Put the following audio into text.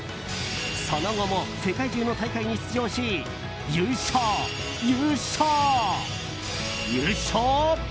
その後も世界中の大会に出場し優勝、優勝、優勝！